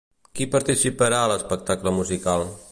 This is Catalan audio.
Qui participarà a l'espectacle musical?